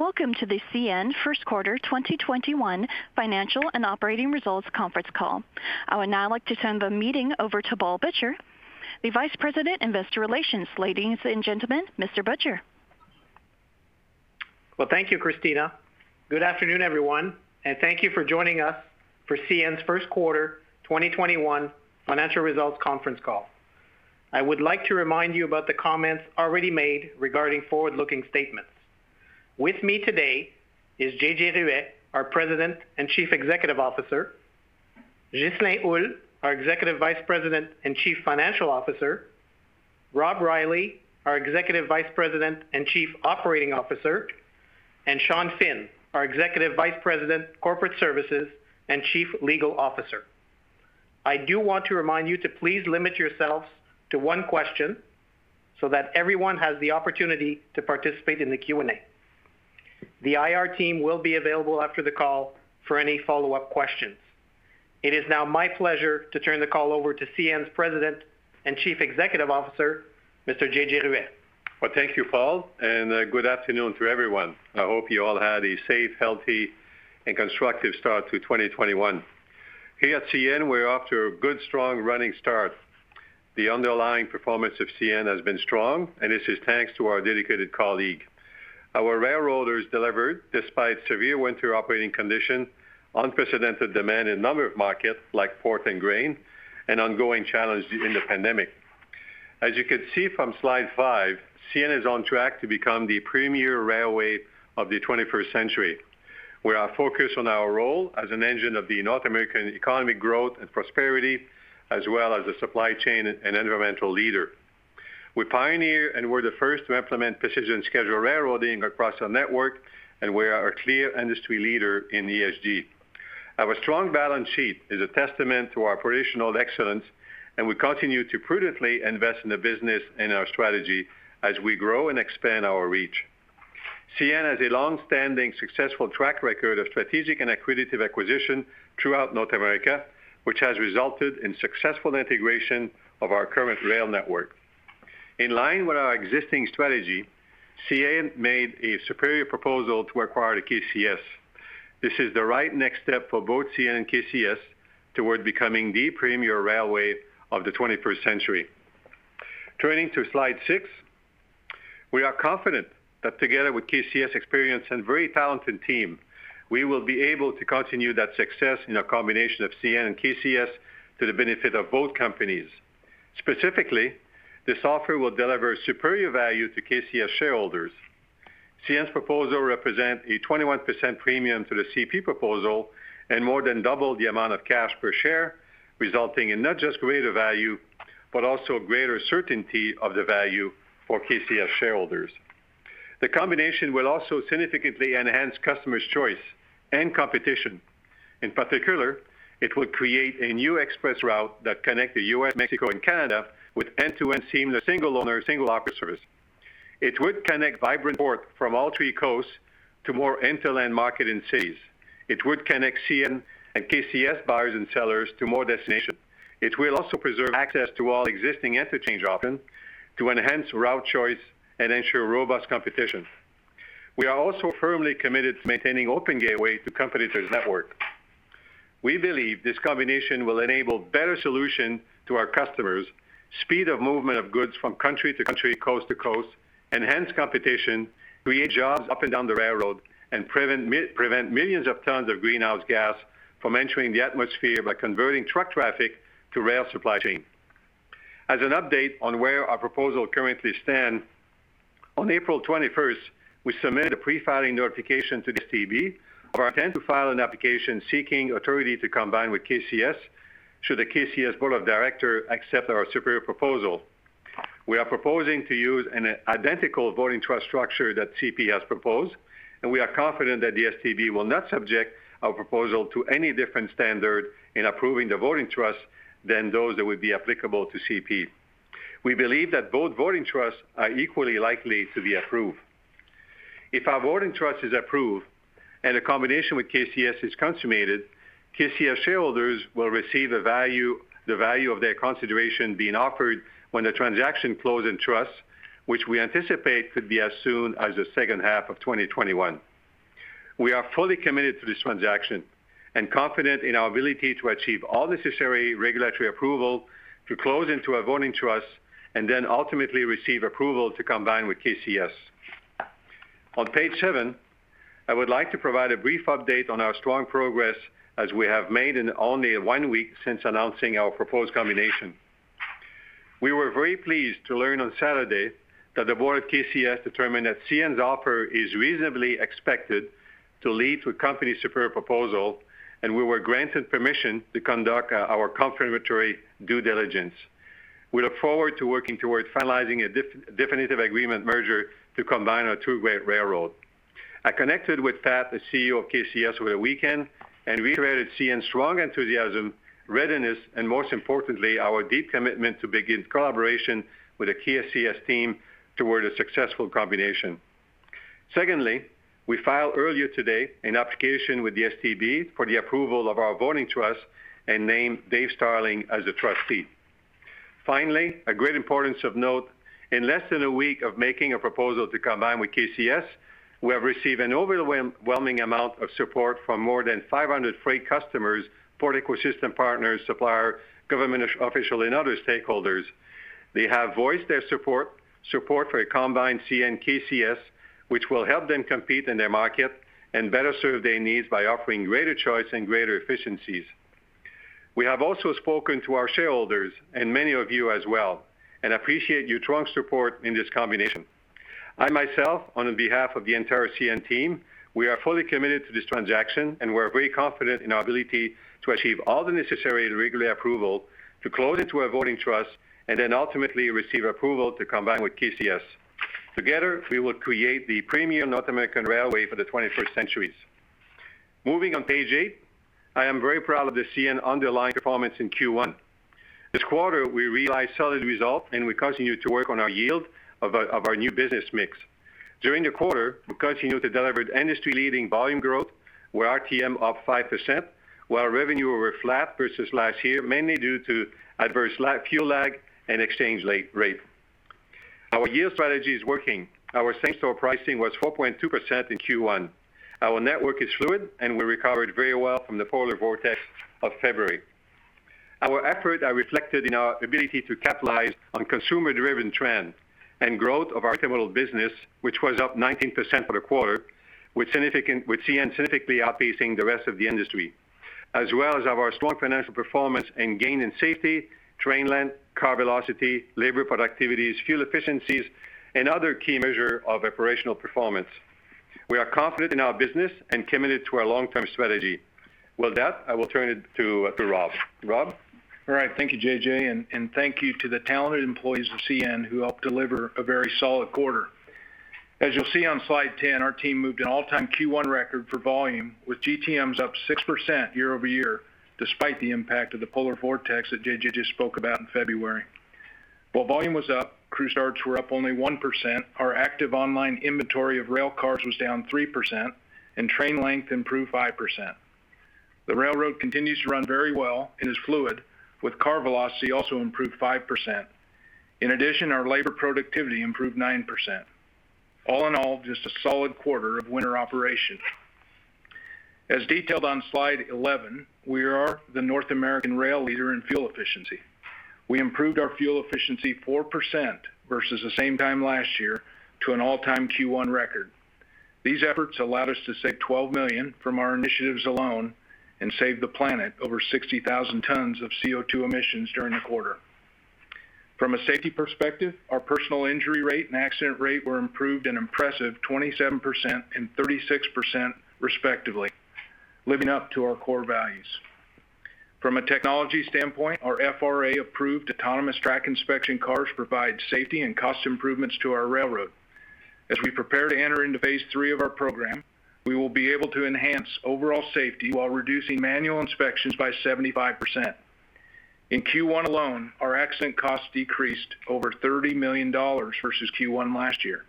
Welcome to the CN Q1 2021 Financial and Operating Results Conference Call. I would now like to turn the meeting over to Paul Butcher, the Vice President, Investor Relations. Ladies and gentlemen, Mr. Butcher. Well, thank you, Cristina. Good afternoon, everyone, and thank you for joining us for CN's Q1 2021 financial results conference call. I would like to remind you about the comments already made regarding forward-looking statements. With me today is J.J. Ruest, our President and Chief Executive Officer, Ghislain Houle, our Executive Vice President and Chief Financial Officer, Rob Reilly, our Executive Vice President and Chief Operating Officer, and Sean Finn, our Executive Vice President, Corporate Services and Chief Legal Officer. I do want to remind you to please limit yourselves to one question so that everyone has the opportunity to participate in the Q&A. The IR team will be available after the call for any follow-up questions. It is now my pleasure to turn the call over to CN's President and Chief Executive Officer, Mr. J.J. Ruest. Thank you, Paul, and good afternoon to everyone. I hope you all had a safe, healthy, and constructive start to 2021. Here at CN, we're off to a good, strong running start. The underlying performance of CN has been strong, and this is thanks to our dedicated colleagues. Our railroaders delivered despite severe winter operating conditions, unprecedented demand in a number of markets like potash and grain, and ongoing challenges in the pandemic. As you can see from slide five, CN is on track to become the premier railway of the 21st century. We are focused on our role as an engine of the North American economic growth and prosperity, as well as a supply chain and environmental leader. We pioneer and we're the first to implement Precision Scheduled Railroading across our network, and we are a clear industry leader in ESG. Our strong balance sheet is a testament to our traditional excellence. We continue to prudently invest in the business and our strategy as we grow and expand our reach. CN has a long-standing successful track record of strategic and accretive acquisition throughout North America, which has resulted in successful integration of our current rail network. In line with our existing strategy, CN made a superior proposal to acquire KCS. This is the right next step for both CN and KCS toward becoming the premier railway of the 21st century. Turning to slide six, we are confident that together with KCS experienced and very talented team, we will be able to continue that success in a combination of CN and KCS to the benefit of both companies. Specifically, this offer will deliver superior value to KCS shareholders. CN's proposal represents a 21% premium to the CP proposal and more than double the amount of cash per share, resulting in not just greater value, but also greater certainty of the value for KCS shareholders. The combination will also significantly enhance customers' choice and competition. In particular, it will create a new express route that connects the U.S., Mexico, and Canada with end-to-end seamless, single-owner, single-operator service. It would connect vibrant ports from all three coasts to more inland markets and cities. It would connect CN and KCS buyers and sellers to more destinations. It will also preserve access to all existing interchange options to enhance route choice and ensure robust competition. We are also firmly committed to maintaining open gateways to competitors' networks. We believe this combination will enable better solution to our customers, speed of movement of goods from country to country, coast to coast, enhance competition, create jobs up and down the railroad, and prevent millions of tons of greenhouse gas from entering the atmosphere by converting truck traffic to rail supply chain. As an update on where our proposal currently stand, on April 21st, we submitted a pre-filing notification to the STB of our intent to file an application seeking authority to combine with KCS should the KCS Board of Director accept our superior proposal. We are proposing to use an identical voting trust structure that CP has proposed. We are confident that the STB will not subject our proposal to any different standard in approving the voting trust than those that would be applicable to CP. We believe that both voting trusts are equally likely to be approved. If our voting trust is approved and a combination with KCS is consummated, KCS shareholders will receive the value of their consideration being offered when the transaction close in trust, which we anticipate could be as soon as the H2 of 2021. We are fully committed to this transaction and confident in our ability to achieve all necessary regulatory approval to close into a voting trust and then ultimately receive approval to combine with KCS. On page seven, I would like to provide a brief update on our strong progress as we have made in only one week since announcing our proposed combination. We were very pleased to learn on Saturday that the board of KCS determined that CN's offer is reasonably expected to lead to a company superior proposal, and we were granted permission to conduct our confirmatory due diligence. We look forward to working towards finalizing a definitive agreement merger to combine our two great railroads. I connected with Pat, the CEO of KCS, over the weekend and reiterated CN's strong enthusiasm, readiness, and most importantly, our deep commitment to begin collaboration with the KCS team toward a successful combination. We filed earlier today an application with the STB for the approval of our voting trust and named David Starling as the trustee. A great importance of note, in less than a week of making a proposal to combine with KCS, we have received an overwhelming amount of support from more than 500 freight customers, port ecosystem partners, supplier, government official, and other stakeholders. They have voiced their support for a combined CN KCS, which will help them compete in their market and better serve their needs by offering greater choice and greater efficiencies. We have also spoken to our shareholders, and many of you as well, and appreciate your strong support in this combination. I, myself, on behalf of the entire CN team, we are fully committed to this transaction and we're very confident in our ability to achieve all the necessary regulatory approval to close into a voting trust and then ultimately receive approval to combine with KCS. Together, we will create the premier North American railway for the 21st centuries. Moving on page eight. I am very proud of the CN underlying performance in Q1. This quarter, we realized solid results and we continue to work on our yield of our new business mix. During the quarter, we continued to deliver industry-leading volume growth, where RTM up 5%, while revenue were flat versus last year, mainly due to adverse fuel lag and exchange rate. Our yield strategy is working. Our same-store pricing was 4.2% in Q1. Our network is fluid and we recovered very well from the polar vortex of February. Our efforts are reflected in our ability to capitalize on consumer-driven trends and growth of our intermodal business, which was up 19% for the quarter, with CN significantly outpacing the rest of the industry, as well as our strong financial performance and gain in safety, train length, car velocity, labor productivities, fuel efficiencies, and other key measures of operational performance. We are confident in our business and committed to our long-term strategy. With that, I will turn it to Rob. Rob? All right. Thank you, J.J., and thank you to the talented employees of CN who helped deliver a very solid quarter. As you'll see on slide 10, our team moved an all-time Q1 record for volume, with GTMs up 6% year-over-year, despite the impact of the polar vortex that J.J. just spoke about in February. While volume was up, crew starts were up only 1%, our active online inventory of rail cars was down 3%, and train length improved 5%. The railroad continues to run very well and is fluid, with car velocity also improved 5%. In addition, our labor productivity improved 9%. All in all, just a solid quarter of winter operation. As detailed on slide 11, we are the North American rail leader in fuel efficiency. We improved our fuel efficiency 4% versus the same time last year to an all-time Q1 record. These efforts allowed us to save 12 million from our initiatives alone and save the planet over 60,000 tons of CO2 emissions during the quarter. From a safety perspective, our personal injury rate and accident rate were improved an impressive 27% and 36% respectively, living up to our core values. From a technology standpoint, our FRA-approved autonomous track inspection cars provide safety and cost improvements to our railroad. As we prepare to enter into phase III of our program, we will be able to enhance overall safety while reducing manual inspections by 75%. In Q1 alone, our accident cost decreased over 30 million dollars versus Q1 last year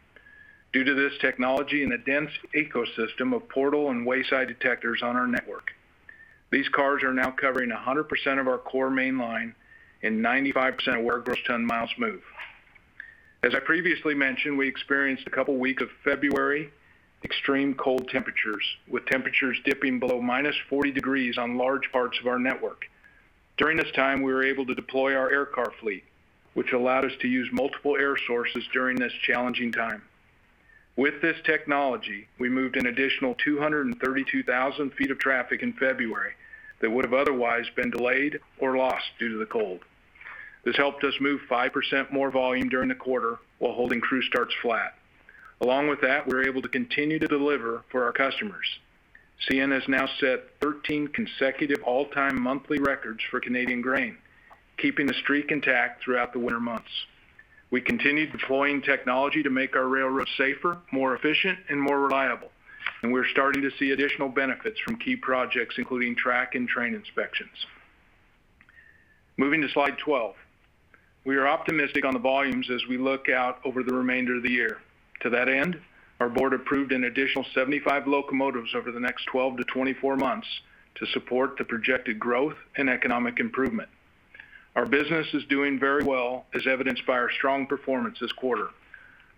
due to this technology and a dense ecosystem of portal and wayside detectors on our network. These cars are now covering 100% of our core mainline and 95% of where gross ton miles move. As I previously mentioned, we experienced a couple week of February extreme cold temperatures, with temperatures dipping below -40 degrees on large parts of our network. During this time, we were able to deploy our air car fleet, which allowed us to use multiple air sources during this challenging time. With this technology, we moved an additional 232,000 feet of traffic in February that would have otherwise been delayed or lost due to the cold. This helped us move 5% more volume during the quarter while holding crew starts flat. Along with that, we were able to continue to deliver for our customers. CN has now set 13 consecutive all-time monthly records for Canadian grain, keeping the streak intact throughout the winter months. We continue deploying technology to make our railroad safer, more efficient, and more reliable. We're starting to see additional benefits from key projects, including track and train inspections. Moving to slide 12. We are optimistic on the volumes as we look out over the remainder of the year. To that end, our board approved an additional 75 locomotives over the next 12-24 months to support the projected growth and economic improvement. Our business is doing very well, as evidenced by our strong performance this quarter.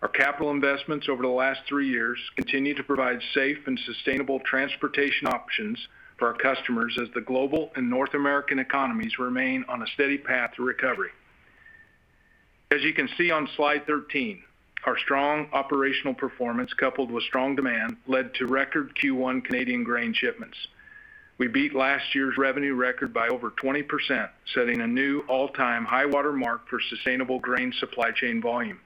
Our capital investments over the last three years continue to provide safe and sustainable transportation options for our customers as the global and North American economies remain on a steady path to recovery. As you can see on slide 13, our strong operational performance, coupled with strong demand, led to record Q1 Canadian grain shipments. We beat last year's revenue record by over 20%, setting a new all-time high water mark for sustainable grain supply chain volume.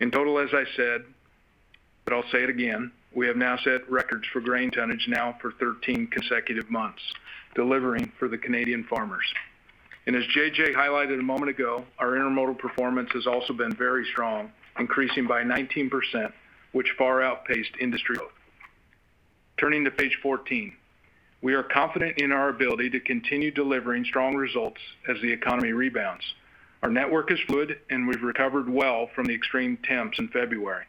In total, as I said, but I'll say it again, we have now set records for grain tonnage now for 13 consecutive months, delivering for the Canadian farmers. As J.J. highlighted a moment ago, our intermodal performance has also been very strong, increasing by 19%, which far outpaced industry growth. Turning to page 14. We are confident in our ability to continue delivering strong results as the economy rebounds. Our network is fluid and we've recovered well from the extreme temps in February.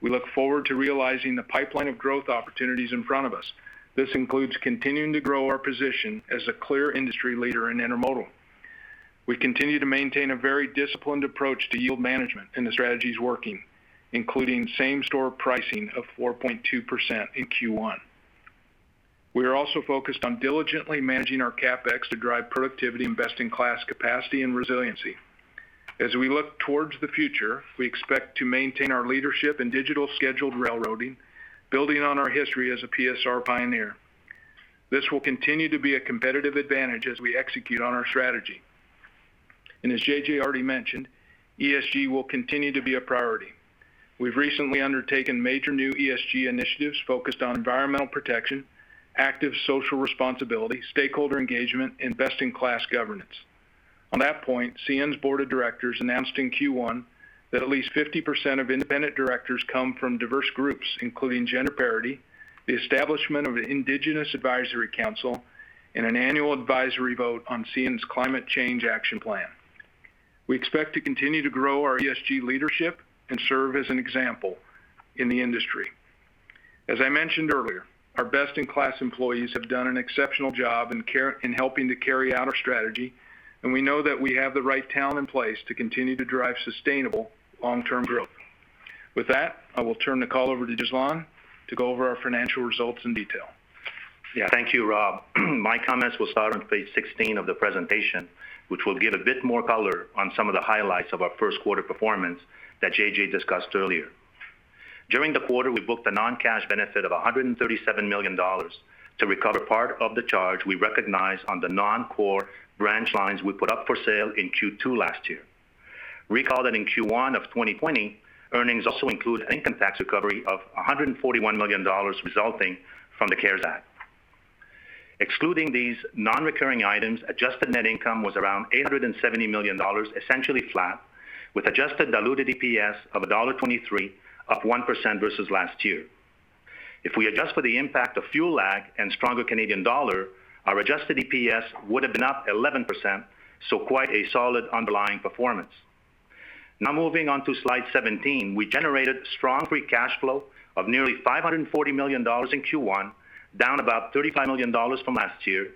We look forward to realizing the pipeline of growth opportunities in front of us. This includes continuing to grow our position as a clear industry leader in intermodal. We continue to maintain a very disciplined approach to yield management, and the strategy's working, including same-store pricing of 4.2% in Q1. We are also focused on diligently managing our CapEx to drive productivity, best-in-class capacity, and resiliency. As we look towards the future, we expect to maintain our leadership in digital scheduled railroading, building on our history as a PSR pioneer. This will continue to be a competitive advantage as we execute on our strategy. As JJ already mentioned, ESG will continue to be a priority. We've recently undertaken major new ESG initiatives focused on environmental protection, active social responsibility, stakeholder engagement, and best-in-class governance. On that point, CN's board of directors announced in Q1 that at least 50% of independent directors come from diverse groups, including gender parity, the establishment of an indigenous advisory council, and an annual advisory vote on CN's Climate Change Action Plan. We expect to continue to grow our ESG leadership and serve as an example in the industry. As I mentioned earlier, our best-in-class employees have done an exceptional job in helping to carry out our strategy, and we know that we have the right talent in place to continue to drive sustainable long-term growth. With that, I will turn the call over to Ghislain to go over our financial results in detail. Thank you, Rob. My comments will start on page 16 of the presentation, which will give a bit more color on some of the highlights of our Q1 performance that J.J. discussed earlier. During the quarter, we booked a non-cash benefit of 137 million dollars to recover part of the charge we recognized on the non-core branch lines we put up for sale in Q2 last year. Recall that in Q1 of 2020, earnings also include income tax recovery of 141 million dollars resulting from the CARES Act. Excluding these non-recurring items, adjusted net income was around 870 million dollars, essentially flat, with adjusted diluted EPS of CAD 1.23, up 1% versus last year. If we adjust for the impact of fuel lag and stronger Canadian dollar, our adjusted EPS would've been up 11%, quite a solid underlying performance. Now, moving on to slide 17, we generated strong free cash flow of nearly 540 million dollars in Q1, down about 35 million dollars from last year,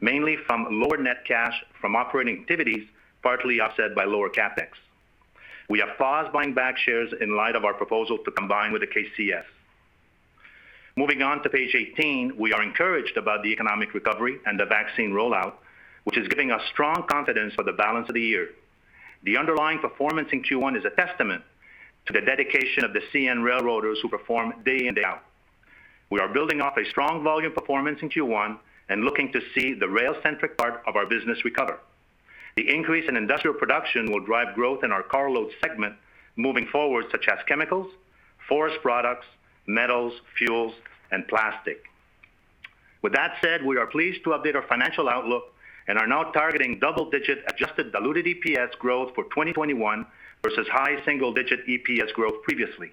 mainly from lower net cash from operating activities, partly offset by lower CapEx. We have paused buying back shares in light of our proposal to combine with KCS. Moving on to page 18, we are encouraged about the economic recovery and the vaccine rollout, which is giving us strong confidence for the balance of the year. The underlying performance in Q1 is a testament to the dedication of the CN railroaders who perform day in, day out. We are building off a strong volume performance in Q1 and looking to see the rail-centric part of our business recover. The increase in industrial production will drive growth in our carload segment moving forward, such as chemicals, forest products, metals, fuels, and plastic. With that said, we are pleased to update our financial outlook and are now targeting double-digit adjusted diluted EPS growth for 2021 versus high single-digit EPS growth previously.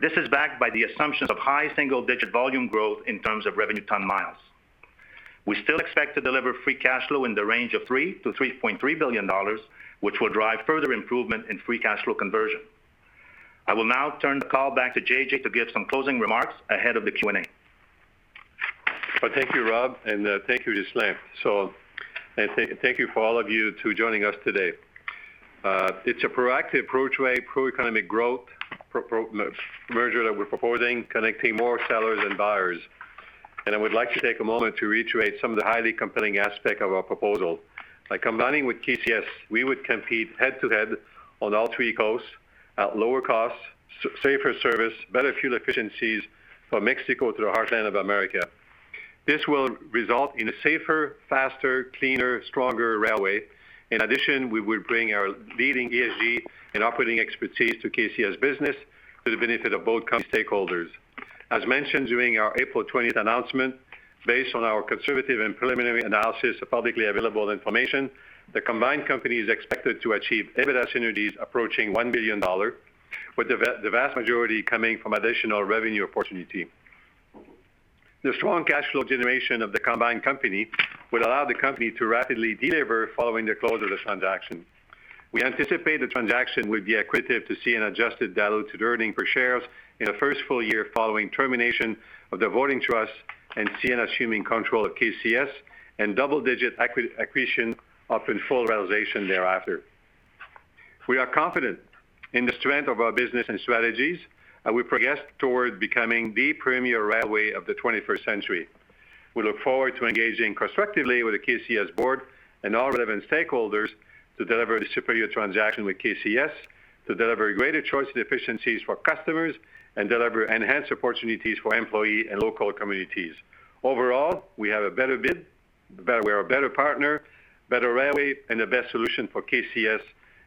This is backed by the assumptions of high single-digit volume growth in terms of revenue ton miles. We still expect to deliver free cash flow in the range of 3 billion-3.3 billion dollars, which will drive further improvement in free cash flow conversion. I will now turn the call back to JJ to give some closing remarks ahead of the Q&A. Thank you, Rob, thank you, Ghislain. Thank you for all of you to joining us today. It's a proactive, approach way pro-economic growth merger that we're proposing, connecting more sellers than buyers. I would like to take a moment to reiterate some of the highly compelling aspect of our proposal. By combining with KCS, we would compete head-to-head on all three coasts at lower cost, safer service, better fuel efficiencies from Mexico to the heartland of America. This will result in a safer, faster, cleaner, stronger railway. In addition, we will bring our leading ESG and operating expertise to KCS business for the benefit of both company stakeholders. As mentioned during our April 20th announcement, based on our conservative and preliminary analysis of publicly available information, the combined company is expected to achieve EBITDA synergies approaching 1 billion dollar, with the vast majority coming from additional revenue opportunity. The strong cash flow generation of the combined company would allow the company to rapidly deliver following the close of this transaction. We anticipate the transaction will be accretive to CN adjusted diluted earnings per share in the first full year following termination of the voting trust and CN assuming control of KCS and double-digit accretion upon full realization thereafter. We are confident in the strength of our business and strategies. We progress toward becoming the premier railway of the 21st century. We look forward to engaging constructively with the KCS board and all relevant stakeholders to deliver the superior transaction with KCS, to deliver greater choice and efficiencies for customers, and deliver enhanced opportunities for employee and local communities. Overall, we have a better bid, we are a better partner, better railway, and the best solution for KCS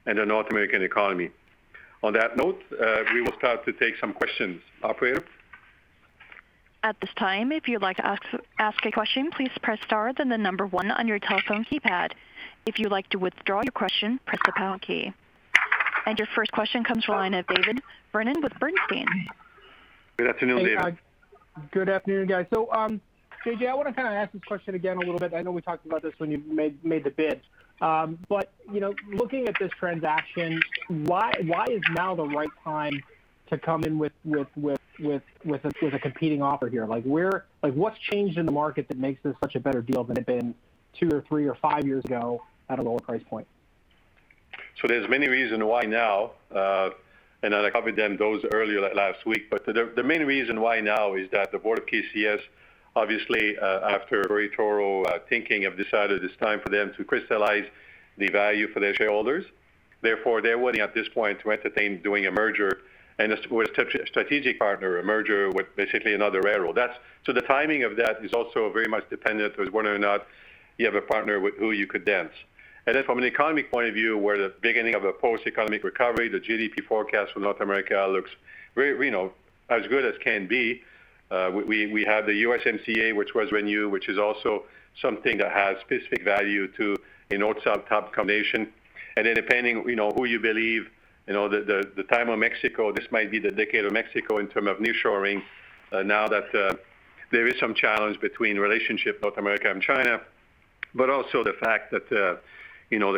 and the North American economy. On that note, we will start to take some questions. Operator? At this time, if you would like to ask a question, please press star then the number one on your telephone keypad. If you would like to withdraw your question, press the pound key. Your first question comes from the line of David Vernon with Bernstein. Good afternoon, David. Good afternoon, guys. J.J., I want to ask this question again a little bit. I know we talked about this when you made the bid. Looking at this transaction, why is now the right time to come in with a competing offer here? What's changed in the market that makes this such a better deal than it been two or three or five years ago at a lower price point? There's many reasons why now, and I covered those earlier last week. The main reason why now is that the board of KCS, obviously, after very thorough thinking, have decided it's time for them to crystallize the value for their shareholders. Therefore, they're willing, at this point, to entertain doing a merger with a strategic partner, a merger with basically another railroad. The timing of that is also very much dependent on whether or not you have a partner with who you could dance. From an economic point of view, we're at the beginning of a post-economic recovery. The GDP forecast for North America looks as good as can be. We have the USMCA, which was renewed, which is also something that has specific value to a North-South combination. Depending who you believe, the time of Mexico, this might be the decade of Mexico in terms of nearshoring. That there is some challenge between relationship North America and China, also the fact that the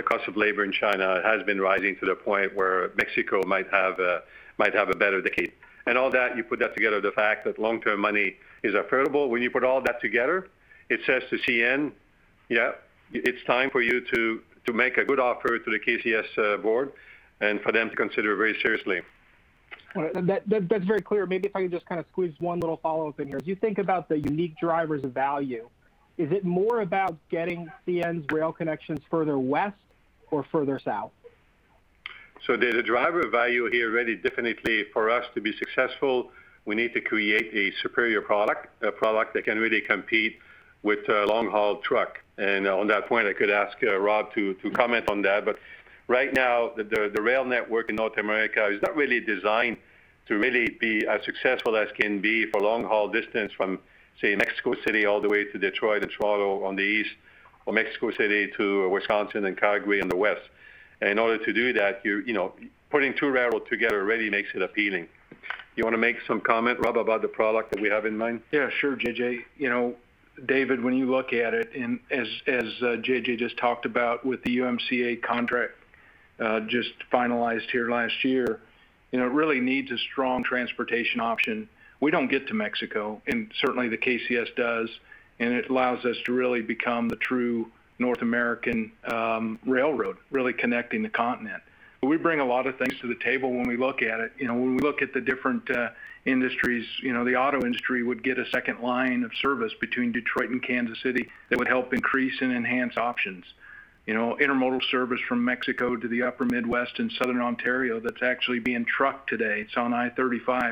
cost of labor in China has been rising to the point where Mexico might have a better decade. All that, you put that together, the fact that long-term money is affordable. When you put all that together, it says to CN, "Yeah, it's time for you to make a good offer to the KCS board, and for them to consider it very seriously. All right. That's very clear. Maybe if I can just squeeze one little follow-up in here. As you think about the unique drivers of value, is it more about getting CN's rail connections further west or further south? The driver value here really definitely for us to be successful, we need to create a superior product, a product that can really compete with long-haul truck. On that point, I could ask Rob to comment on that. Right now, the rail network in North America is not really designed to really be as successful as can be for long-haul distance from, say, Mexico City all the way to Detroit and Toronto on the east, or Mexico City to Wisconsin and Calgary on the west. In order to do that, putting two railroad together really makes it appealing. You want to make some comment, Rob, about the product that we have in mind? Sure, JJ. David, when you look at it, and as JJ just talked about with the USMCA contract just finalized here last year, it really needs a strong transportation option. We don't get to Mexico, and certainly the KCS does, and it allows us to really become the true North American railroad, really connecting the continent. We bring a lot of things to the table when we look at it. When we look at the different industries, the auto industry would get a second line of service between Detroit and Kansas City that would help increase and enhance options. Intermodal service from Mexico to the upper Midwest and Southern Ontario, that's actually being trucked today. It's on I-35.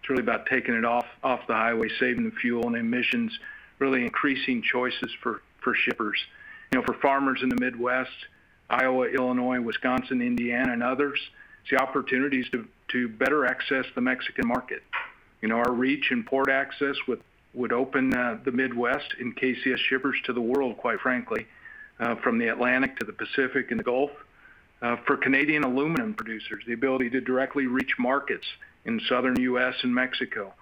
It's really about taking it off the highway, saving the fuel and emissions, really increasing choices for shippers. For farmers in the Midwest, Iowa, Illinois, Wisconsin, Indiana, and others, it's the opportunities to better access the Mexican market. Our reach and port access would open the Midwest and KCS shippers to the world, quite frankly, from the Atlantic to the Pacific and the Gulf. For Canadian aluminum producers, the ability to directly reach markets in Southern U.S. and Mexico.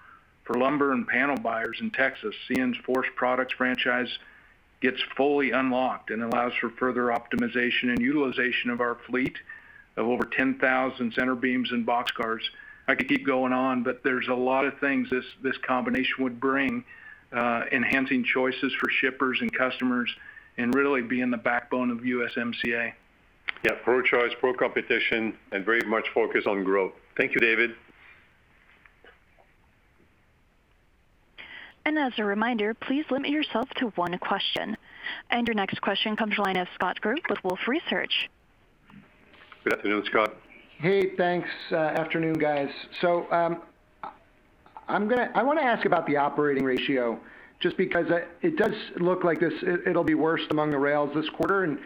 For lumber and panel buyers in Texas, CN's forest products franchise gets fully unlocked and allows for further optimization and utilization of our fleet of over 10,000 center beams and boxcars. I could keep going on, but there's a lot of things this combination would bring, enhancing choices for shippers and customers, and really being the backbone of USMCA. Yeah. Pro-choice, pro-competition, and very much focused on growth. Thank you, David. As a reminder, please limit yourself to one question. Your next question comes from the line of Scott Group with Wolfe Research. Good afternoon, Scott. Hey, thanks. Afternoon, guys. I want to ask about the Operating Ratio, just because it does look like it'll be worst among the rails this quarter.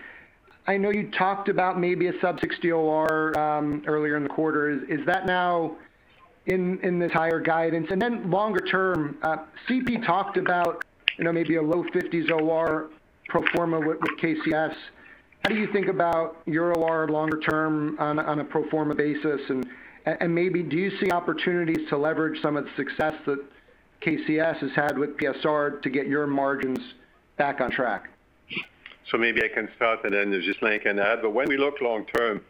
I know you talked about maybe a sub-60 OR earlier in the quarter. Is that now in this higher guidance? Longer term, CP talked about maybe a low 50s OR pro forma with KCS. How do you think about your OR longer term on a pro forma basis? Maybe do you see opportunities to leverage some of the success that KCS has had with PSR to get your margins back on track? Maybe I can start and then Ghislain can add. When we look long term,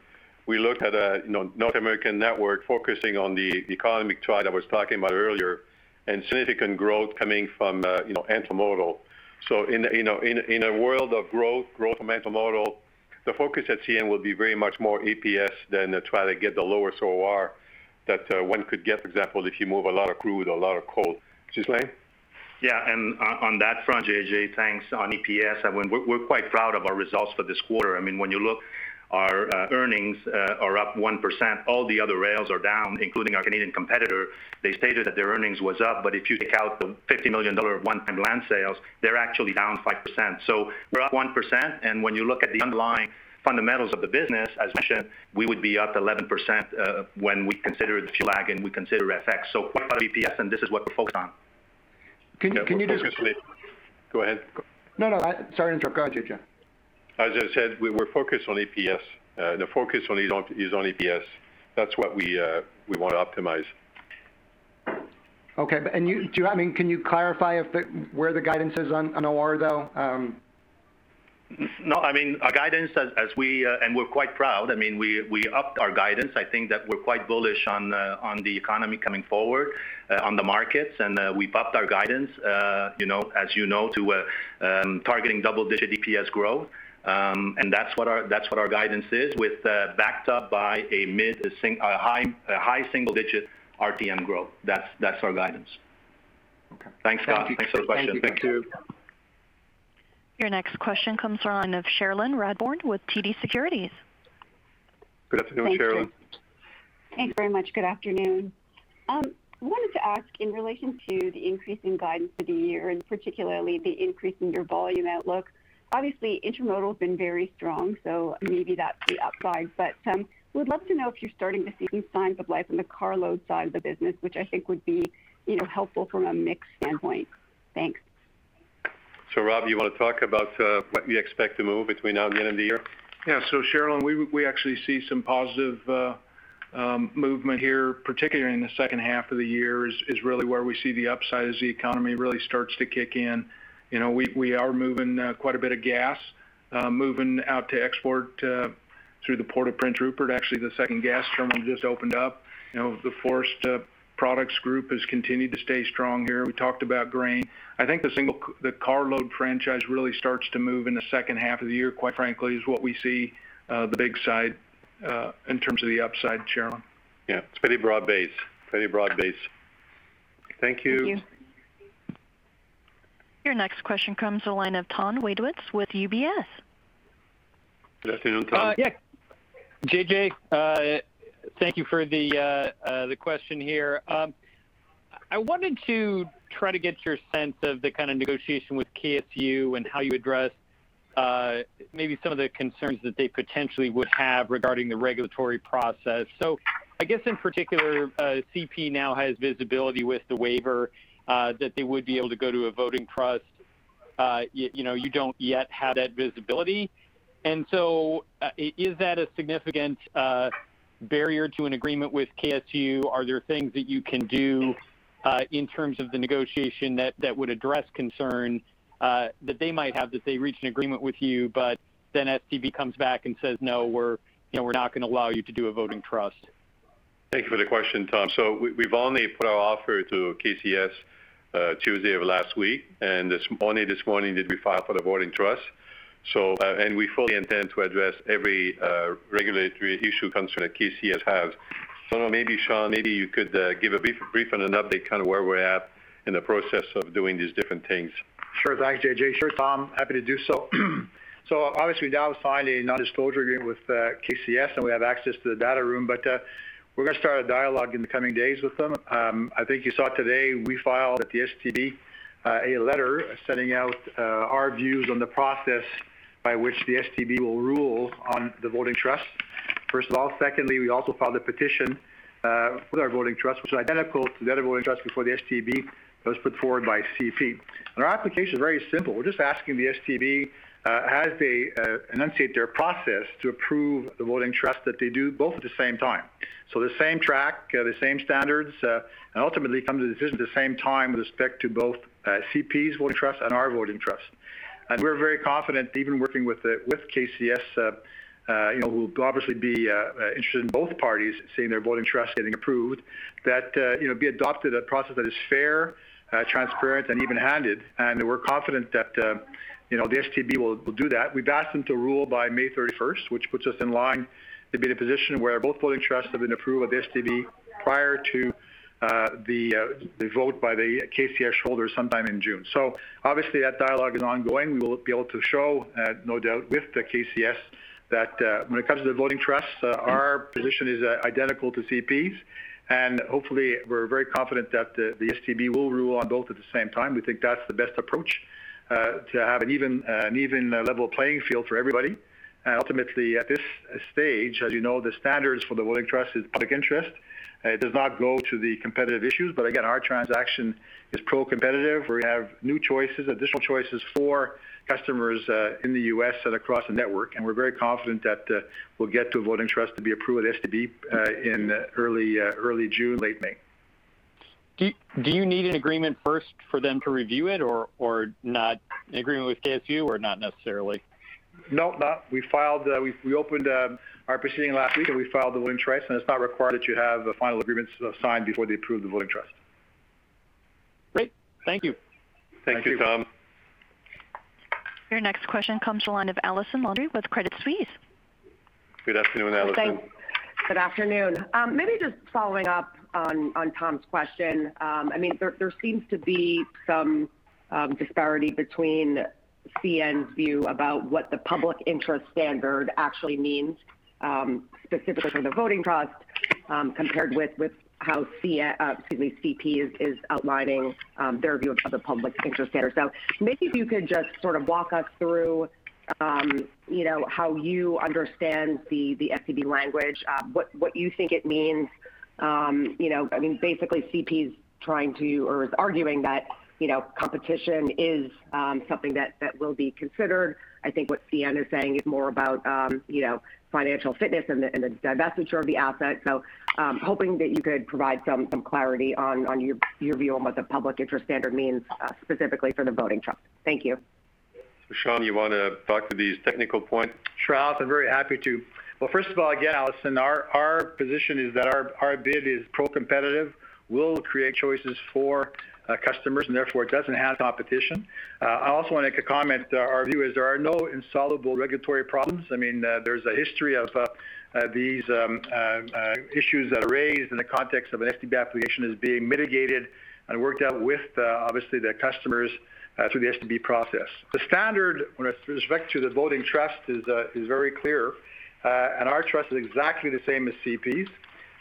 we look at North American network focusing on the economy triad I was talking about earlier and significant growth coming from intermodal. In a world of growth from intermodal, the focus at CN will be very much more EPS than to try to get the lower OR that one could get, for example, if you move a lot of crude or a lot of coal. Ghislain? Yeah. On that front, JJ, thanks. On EPS, we're quite proud of our results for this quarter. When you look, our earnings are up 1%. All the other rails are down, including our Canadian competitor. They stated that their earnings was up, but if you take out the 50 million dollar one-time land sales, they're actually down 5%. We're up 1%, and when you look at the underlying fundamentals of the business, as mentioned, we would be up 11% when we consider the fuel lag and we consider FX. We're proud of EPS, and this is what we're focused on. Can you just? No, we're focused on. Go ahead. No, sorry to interrupt. Go ahead, JJ. As I said, we're focused on EPS. The focus is on EPS. That's what we want to optimize. Okay. Can you clarify where the guidance is on OR though? No, our guidance, and we're quite proud, we upped our guidance. I think that we're quite bullish on the economy coming forward, on the markets, and we bumped our guidance as you know, to targeting double-digit EPS growth. That's what our guidance is, backed up by a high single-digit RTM growth. That's our guidance. Okay. Thanks, Scott. Thanks for the question. Thank you. Thank you. Your next question comes from the line of Cherilyn Radbourne with TD Securities. Good afternoon, Cherilyn. Thank you. Thanks very much. Good afternoon. I wanted to ask, in relation to the increase in guidance for the year, particularly the increase in your volume outlook. Obviously, intermodal's been very strong, maybe that's the upside. Would love to know if you're starting to see any signs of life in the carload side of the business, which I think would be helpful from a mix standpoint. Thanks. Rob, you want to talk about what we expect to move between now and the end of the year? Cherilyn, we actually see some positive movement here, particularly in the H2 of the year is really where we see the upside as the economy really starts to kick in. We are moving quite a bit of gas, moving out to export through the Port of Prince Rupert. Actually, the second gas terminal just opened up. The forest products group has continued to stay strong here. We talked about grain. I think the carload franchise really starts to move in the H2 of the year, quite frankly, is what we see the big side in terms of the upside, Cherilyn. Yeah. It's pretty broad base. Thank you. Thank you. Your next question comes the line of Tom Wadewitz with UBS. Good afternoon, Tom. Yeah. J.J. Ruest, thank you for the question here. I wanted to try to get your sense of the kind of negotiation with KCS and how you address maybe some of the concerns that they potentially would have regarding the regulatory process. I guess in particular, CP now has visibility with the waiver that they would be able to go to a voting trust. You don't yet have that visibility, is that a significant barrier to an agreement with KCS? Are there things that you can do in terms of the negotiation that would address concern that they might have that they reach an agreement with you, but then STB comes back and says, "No, we're not going to allow you to do a voting trust." Thank you for the question, Tom. We've only put our offer to KCS Tuesday of last week, and only this morning did we file for the voting trust. We fully intend to address every regulatory issue concern that KCS has. Maybe, Sean, you could give a brief and an update, kind of where we're at in the process of doing these different things. Sure. Thanks, JJ. Sure, Tom. Happy to do so. Obviously now signing a non-disclosure agreement with KCS, and we have access to the data room. We're going to start a dialogue in the coming days with them. I think you saw today we filed at the STB a letter setting out our views on the process by which the STB will rule on the voting trust, first of all. Secondly, we also filed a petition with our voting trust, which is identical to the other voting trust before the STB that was put forward by CP. Our application is very simple. We're just asking the STB as they enunciate their process to approve the voting trust that they do both at the same time. The same track, the same standards, and ultimately come to the decision at the same time with respect to both CP's voting trust and our voting trust. We're very confident even working with KCS who will obviously be interested in both parties seeing their voting trust getting approved, that we adopted a process that is fair, transparent, and even-handed. We're confident that the STB will do that. We've asked them to rule by May 31st, which puts us in line to be in a position where both voting trusts have been approved by the STB prior to the vote by the KCS shareholders sometime in June. Obviously, that dialogue is ongoing. We will be able to show no doubt with the KCS that when it comes to the voting trusts our position is identical to CP's. Hopefully, we're very confident that the STB will rule on both at the same time. We think that's the best approach to have an even level playing field for everybody. Ultimately, at this stage, as you know, the standards for the voting trust is public interest. It does not go to the competitive issues. Again, our transaction is pro-competitive, where we have new choices, additional choices for customers in the U.S. and across the network. We're very confident that we'll get to a voting trust to be approved at STB in early June, late May. Do you need an agreement first for them to review it or not? An agreement with KCS or not necessarily? No. We opened our proceeding last week, and we filed the voting trust, and it's not required that you have final agreements signed before they approve the voting trust. Great. Thank you. Thank you. Thank you, Tom. Your next question comes the line of Allison Landry with Credit Suisse. Good afternoon, Allison. Thanks. Good afternoon. Maybe just following up on Tom's question. There seems to be some disparity between CN's view about what the public interest standard actually means specifically for the voting trust compared with how CP is outlining their view of the public interest standard. Maybe if you could just sort of walk us through how you understand the STB language, what you think it means. Basically, CP is trying to or is arguing that competition is something that will be considered. I think what CN is saying is more about financial fitness and the divestiture of the asset. Hoping that you could provide some clarity on your view on what the public interest standard means specifically for the voting trust. Thank you. Sean, you want to talk to these technical points? Sure, I'll be very happy to. First of all, again, Allison, our position is that our bid is pro-competitive, will create choices for customers, and therefore it doesn't have competition. I also want to make a comment. Our view is there are no insoluble regulatory problems. There's a history of these issues that are raised in the context of an STB application as being mitigated and worked out with, obviously, the customers through the STB process. The standard with respect to the voting trust is very clear, and our trust is exactly the same as CP's.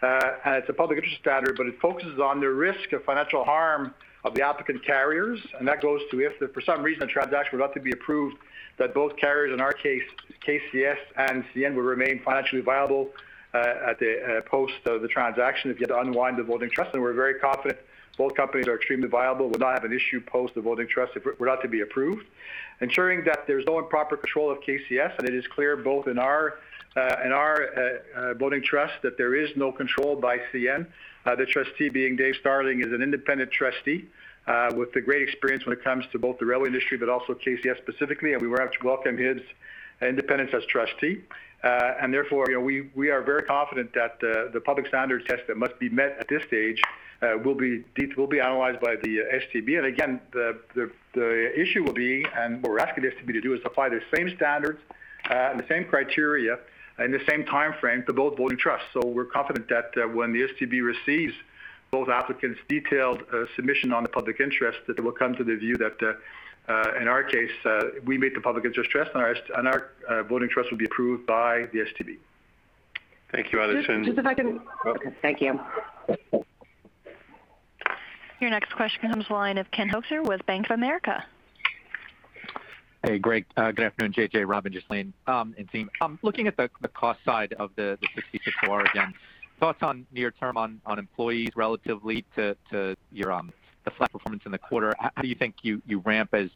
It's a public interest standard, but it focuses on the risk of financial harm of the applicant carriers, and that goes to if, for some reason, the transaction were not to be approved, that both carriers, in our case, KCS and CN, would remain financially viable at the post of the transaction if you had to unwind the voting trust. We're very confident both companies are extremely viable, would not have an issue post the voting trust if it were not to be approved. Ensuring that there's no improper control of KCS, and it is clear both in our voting trust that there is no control by CN. The trustee being David Starling is an independent trustee with great experience when it comes to both the rail industry, but also KCS specifically, we were happy to welcome his independence as trustee. Therefore, we are very confident that the public standards test that must be met at this stage will be analyzed by the STB. Again, the issue will be, and what we're asking the STB to do is apply the same standards and the same criteria and the same timeframe for both voting trusts. We're confident that when the STB receives both applicants' detailed submission on the public interest, that they will come to the view that, in our case, we meet the public interest test and our voting trust will be approved by the STB. Thank you, Allison. Okay, thank you. Your next question comes line of Ken Hoexter with Bank of America. Great. Good afternoon, J.J., Rob, Ghislain and team. Looking at the cost side of the 66 OR again, thoughts on near term on employees relatively to the flat performance in the quarter, how do you think you ramp as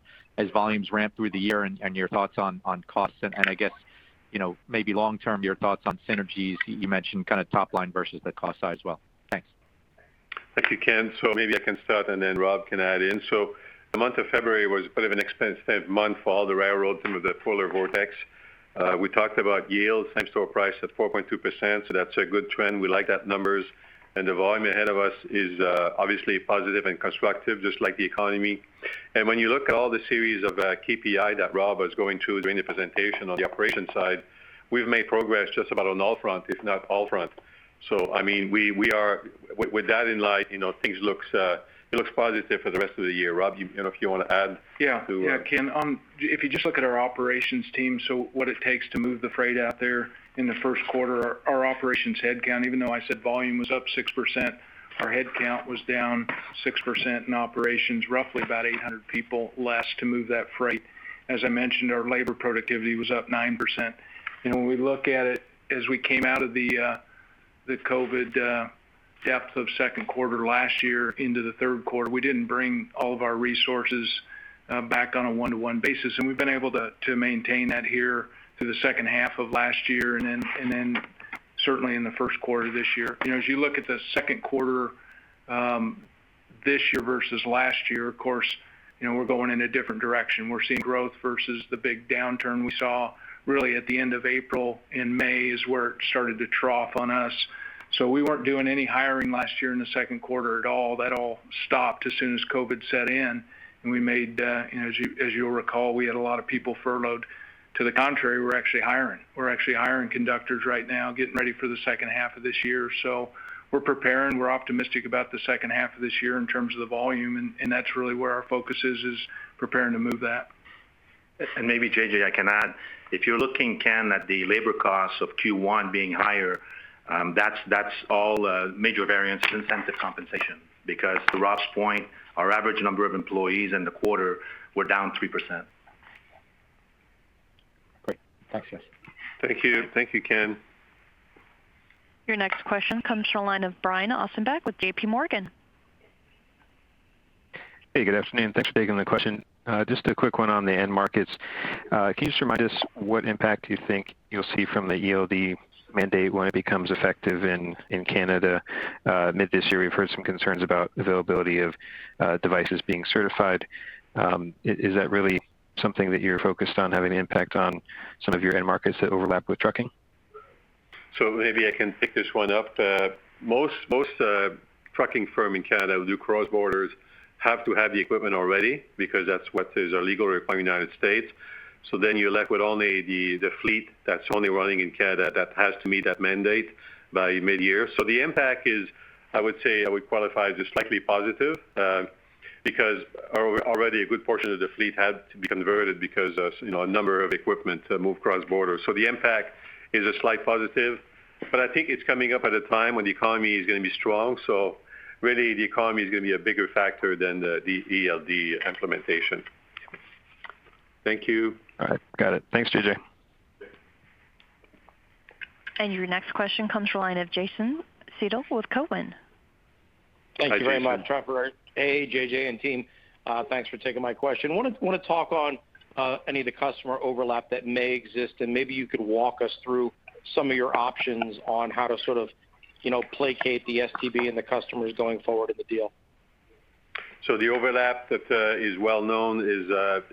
volumes ramp through the year and your thoughts on costs and I guess, maybe long term, your thoughts on synergies you mentioned kind of top line versus the cost side as well. Thanks. Thank you, Ken. Maybe I can start and then Rob can add in. The month of February was a bit of an expensive month for all the railroads in with the polar vortex. We talked about yields, same store price at 4.2%, that's a good trend. We like that numbers the volume ahead of us is obviously positive and constructive, just like the economy. When you look at all the series of KPI that Rob was going through during the presentation on the operations side, we've made progress just about on all front, if not all front. I mean, with that in light, things looks positive for the rest of the year. Rob, if you want to add. Yeah. Ken, if you just look at our operations team, what it takes to move the freight out there in the Q1, our operations headcount, even though I said volume was up 6%, our headcount was down 6% in operations, roughly about 800 people less to move that freight. As I mentioned, our labor productivity was up 9%. When we look at it as we came out of the COVID depth of Q2 last year into the Q3, we didn't bring all of our resources back on a one-to-one basis. We've been able to maintain that here through the H2 of last year and certainly in the Q1 this year. As you look at the Q2 this year versus last year, of course, we're going in a different direction. We're seeing growth versus the big downturn we saw really at the end of April and May is where it started to trough on us. We weren't doing any hiring last year in the Q2 at all. That all stopped as soon as COVID set in, and as you'll recall, we had a lot of people furloughed. To the contrary, we're actually hiring. We're actually hiring conductors right now, getting ready for H2 of this year. We're preparing, we're optimistic about the H2 of this year in terms of the volume, and that's really where our focus is preparing to move that. Maybe J.J., I can add. If you're looking, Ken, at the labor costs of Q1 being higher, that's all major variance to incentive compensation because to Rob's point, our average number of employees in the quarter were down 3%. Great. Thanks, guys. Thank you. Thank you, Ken. Your next question comes from the line of Brian Ossenbeck with JPMorgan. Hey, good afternoon. Thanks for taking the question. Just a quick one on the end markets. Can you just remind us what impact you think you'll see from the ELD mandate when it becomes effective in Canada mid this year? We've heard some concerns about availability of devices being certified. Is that really something that you're focused on having an impact on some of your end markets that overlap with trucking? Maybe I can pick this one up. Most trucking firm in Canada who do cross borders have to have the equipment already because that's what is a legal requirement in United States. You're left with only the fleet that's only running in Canada that has to meet that mandate by mid-year. The impact is, I would say, I would qualify as slightly positive because already a good portion of the fleet had to be converted because of a number of equipment move cross border. The impact is a slight positive, but I think it's coming up at a time when the economy is going to be strong, so really the economy is going to be a bigger factor than the ELD implementation. Thank you. All right. Got it. Thanks, JJ. Your next question comes from the line of Jason Seidl with Cowen. Thank you very much Trevor, JJ Ruest, and team. Thanks for taking my question. I want to talk on any of the customer overlap that may exist, and maybe you could walk us through some of your options on how to placate the STB and the customers going forward with the deal. The overlap that is well-known is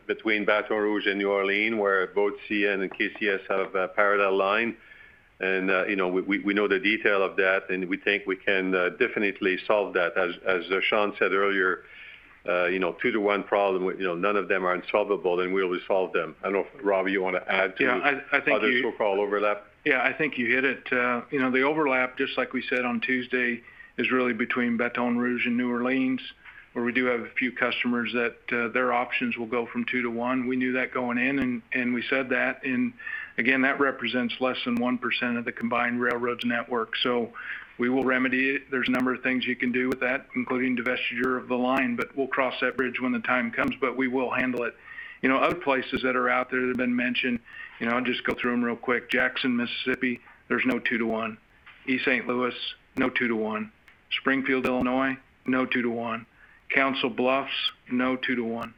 between Baton Rouge and New Orleans, where both CN and KCS have a parallel line. We know the detail of that, and we think we can definitely solve that. As Sean said earlier, two to one problem, none of them are unsolvable, and we will solve them. I don't know if, Rob, you want to add other snowfall overlap? Yeah, I think you hit it. The overlap, just like we said on Tuesday, is really between Baton Rouge and New Orleans, where we do have a few customers that their options will go from two to one. We knew that going in, and we said that, and again, that represents less than 1% of the combined railroads network. We will remedy it. There's a number of things you can do with that, including divestiture of the line, but we'll cross that bridge when the time comes. We will handle it. Other places that are out there that have been mentioned, I'll just go through them real quick. Jackson, Mississippi, there's no two to one. East St. Louis, no two to one. Springfield, Illinois, no two to one. Council Bluffs, no two to one.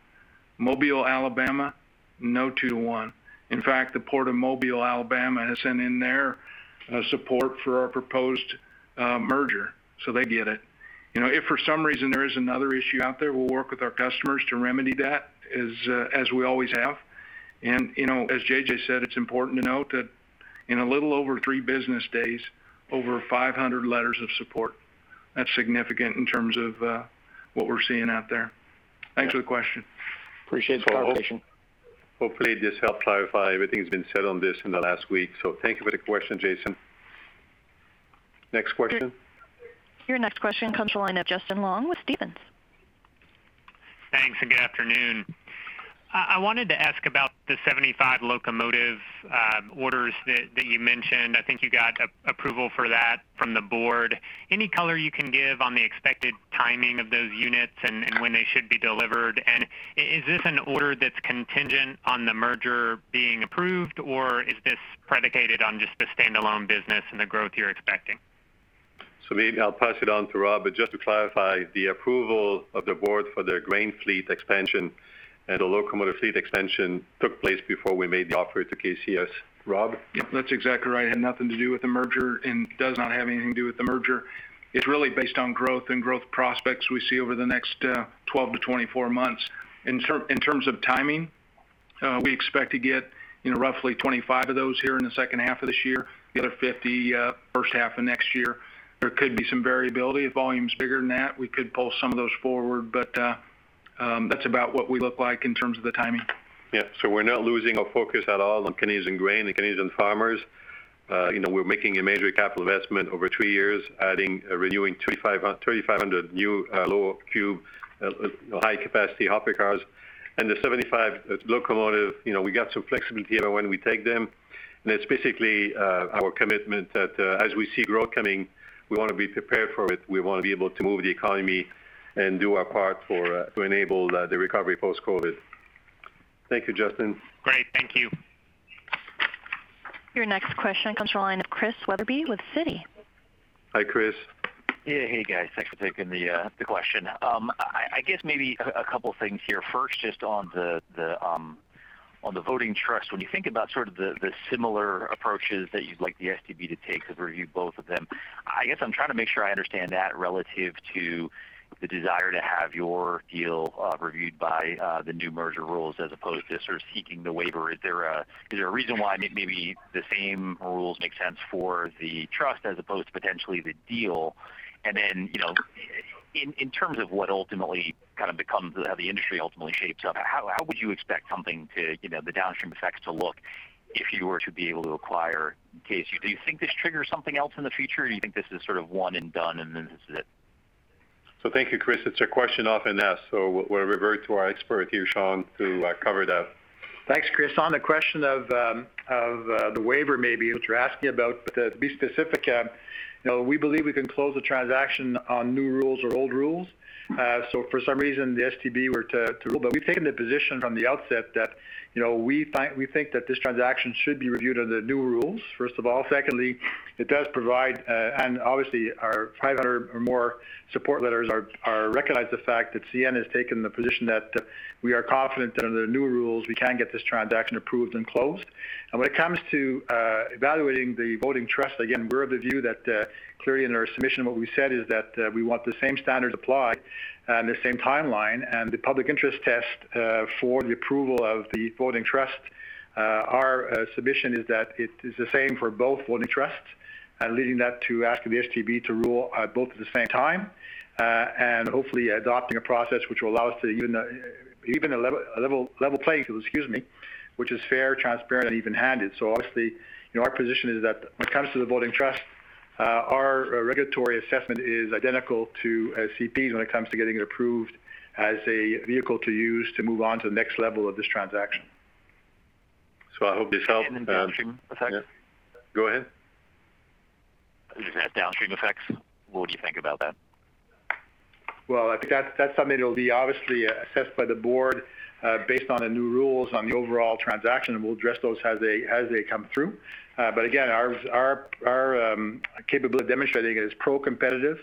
Mobile, Alabama, no two to one. In fact, the Port of Mobile, Alabama, has sent in their support for our proposed merger. They get it. If for some reason there is another issue out there, we'll work with our customers to remedy that, as we always have. As JJ said, it's important to note that in a little over three business days, over 500 letters of support. That's significant in terms of what we're seeing out there. Thanks for the question. Appreciate the clarification. Hopefully this helped clarify everything that's been said on this in the last week. Thank you for the question, Jason. Next question. Your next question comes from the line of Justin Long with Stephens. Thanks, and good afternoon. I wanted to ask about the 75 locomotive orders that you mentioned. I think you got approval for that from the board. Any color you can give on the expected timing of those units and when they should be delivered? Is this an order that's contingent on the merger being approved, or is this predicated on just the standalone business and the growth you're expecting? Maybe I'll pass it on to Rob, but just to clarify, the approval of the board for their grain fleet expansion and the locomotive fleet expansion took place before we made the offer to KCS. Rob? Yep, that's exactly right. It had nothing to do with the merger and does not have anything to do with the merger. It's really based on growth and growth prospects we see over the next 12 months-24 months. In terms of timing, we expect to get roughly 25 of those here in the H2 of this year, the other 50 H1 of next year. There could be some variability. If volume's bigger than that, we could pull some of those forward, but that's about what we look like in terms of the timing. Yeah. We're not losing our focus at all on Canadian grain and Canadian farmers. We're making a major capital investment over two years, adding, renewing 3,500 new low cube, high capacity hopper cars and the 75 locomotive. We got some flexibility on when we take them, and it's basically our commitment that as we see growth coming, we want to be prepared for it. We want to be able to move the economy and do our part to enable the recovery post-COVID. Thank you, Justin. Great. Thank you. Your next question comes from the line of Christian F. Wetherbee with Citi. Hi, Chris. Hey, guys. Thanks for taking the question. I guess maybe a couple things here. First, just on the voting trust. When you think about the similar approaches that you'd like the STB to take, because reviewed both of them, I guess I'm trying to make sure I understand that relative to the desire to have your deal reviewed by the new merger rules as opposed to seeking the waiver. Is there a reason why maybe the same rules make sense for the trust as opposed to potentially the deal? In terms of how the industry ultimately shapes up, how would you expect the downstream effects to look if you were to be able to acquire KCS? Do you think this triggers something else in the future, or do you think this is sort of one and done and then this is it? Thank you, Chris. It's a question often asked, we'll revert to our expert here, Sean, to cover that. Thanks, Christian F. Wetherbee. On the question of the waiver maybe, which you're asking about, but to be specific, we believe we can close the transaction on new rules or old rules. If for some reason the STB were to rule, but we've taken the position from the outset that we think that this transaction should be reviewed under the new rules, first of all. Secondly, obviously our 500 or more support letters recognize the fact that CN has taken the position that we are confident that under the new rules, we can get this transaction approved and closed. When it comes to evaluating the voting trust, again, we're of the view that clearly in our submission, what we said is that we want the same standard applied and the same timeline and the public interest test for the approval of the voting trust. Our submission is that it is the same for both voting trusts and leading that to ask the STB to rule both at the same time. Hopefully adopting a process which will allow us to even a level playing field, excuse me, which is fair, transparent, and even-handed. Obviously, our position is that when it comes to the voting trust, our regulatory assessment is identical to CP's when it comes to getting it approved as a vehicle to use to move on to the next level of this transaction. I hope this helped. Then the downstream effects? Yeah. Go ahead. Just the downstream effects. What would you think about that? Well, I think that's something that will be obviously assessed by the board based on the new rules on the overall transaction, and we'll address those as they come through. Again, our capability of demonstrating it is pro-competitive.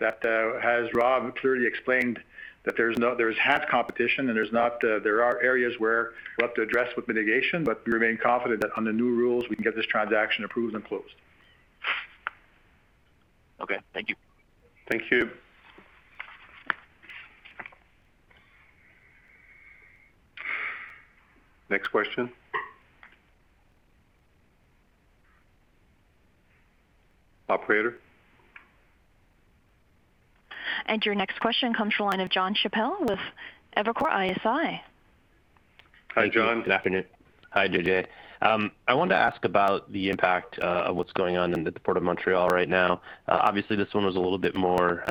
As Rob clearly explained, that there is half competition and there are areas where we'll have to address with mitigation, but we remain confident that under new rules, we can get this transaction approved and closed. Okay. Thank you. Thank you. Next question. Operator? Your next question comes from the line of Jonathan Chappell with Evercore ISI. Hi, John. Good afternoon. Hi, JJ. I wanted to ask about the impact of what's going on in the Port of Montreal right now. Obviously, this one was a little bit more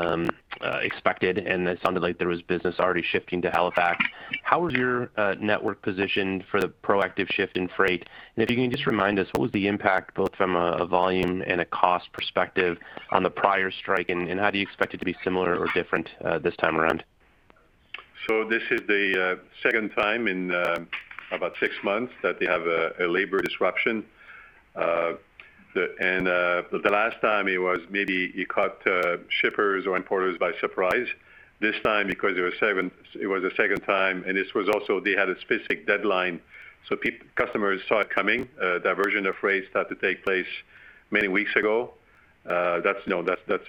expected, and it sounded like there was business already shifting to Halifax. How is your network positioned for the proactive shift in freight? If you can just remind us, what was the impact both from a volume and a cost perspective on the prior strike, and how do you expect it to be similar or different this time around? This is the second time in about six months that they have a labor disruption. The last time it maybe caught shippers or importers by surprise. This time because it was the second time, they had a specific deadline, so customers saw it coming. Diversion of freight started to take place many weeks ago. That's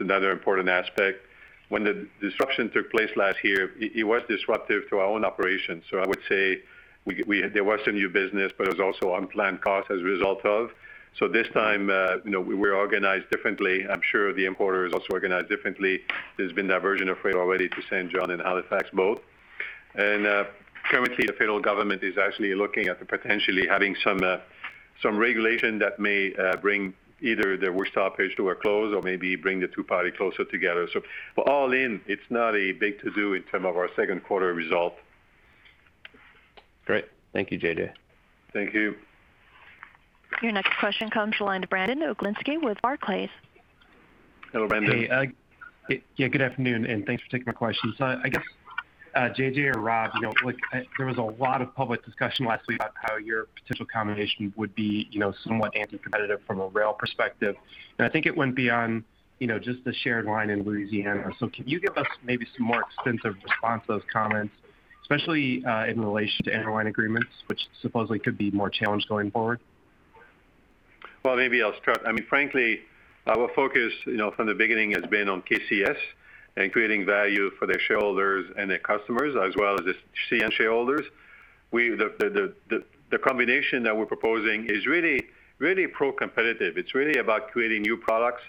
another important aspect. When the disruption took place last year, it was disruptive to our own operations. I would say there was some new business, but it was also unplanned cost. This time, we're organized differently. I'm sure the importer is also organized differently. There's been diversion of freight already to Saint John and Halifax both. Currently, the federal government is actually looking at potentially having some regulation that may bring either the work stoppage to a close or maybe bring the two parties closer together. All in, it's not a big to-do in terms of our Q2 result. Great. Thank you, JJ. Thank you. Your next question comes from the line of Brandon Oglenski with Barclays. Hello, Brandon. Hey. Yeah, good afternoon, and thanks for taking my question. I guess, JJ or Rob, there was a lot of public discussion last week about how your potential combination would be somewhat anti-competitive from a rail perspective. I think it went beyond just the shared line in Louisiana. Can you give us maybe some more extensive response to those comments, especially in relation to interline agreements, which supposedly could be more challenged going forward? Maybe I'll start. Frankly, our focus from the beginning has been on KCS and creating value for their shareholders and their customers, as well as the CN shareholders. The combination that we're proposing is really pro-competitive. It's really about creating new products,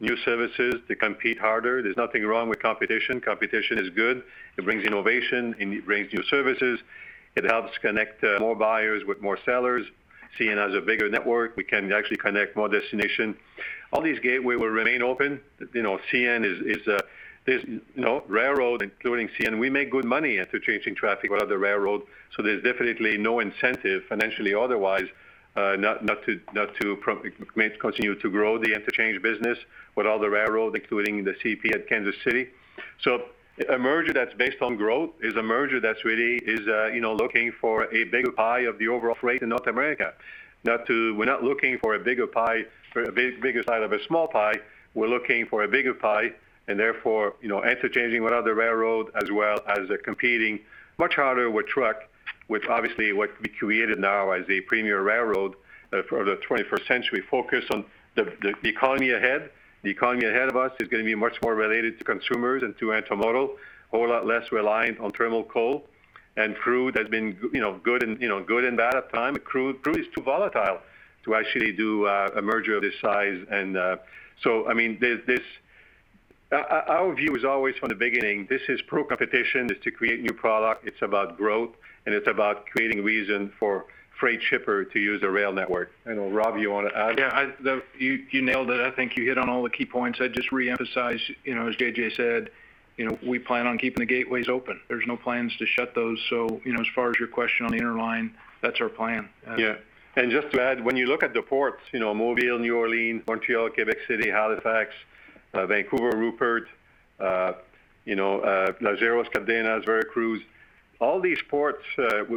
new services to compete harder. There's nothing wrong with competition. Competition is good. It brings innovation and it brings new services. It helps connect more buyers with more sellers. CN has a bigger network. We can actually connect more destinations. All these gateways will remain open. CN is a railroad, including CN, we make good money interchanging traffic with other railroads. There's definitely no incentive financially otherwise, not to continue to grow the interchange business with other railroads, including the CP at Kansas City. A merger that's based on growth is a merger that's really looking for a bigger pie of the overall freight in North America. We're not looking for a bigger slice of a small pie. We're looking for a bigger pie, therefore, interchanging with other railroad as well as competing much harder with truck, with obviously what we created now as a premier railroad for the 21st century, focused on the economy ahead. The economy ahead of us is going to be much more related to consumers and to intermodal, a whole lot less reliant on thermal coal and crude. That's been good and bad at time, crude is too volatile to actually do a merger of this size. Our view is always from the beginning, this is pro-competition, it's to create new product, it's about growth, and it's about creating reason for freight shipper to use a rail network. I don't know, Rob, you want to add? Yeah. You nailed it. I think you hit on all the key points. I'd just reemphasize, as JJ said, we plan on keeping the gateways open. There's no plans to shut those. As far as your question on the interline, that's our plan. Yeah. Just to add, when you look at the ports, Mobile, New Orleans, Montreal, Quebec City, Halifax, Vancouver, Rupert, Lázaro Cárdenas, Veracruz, all these ports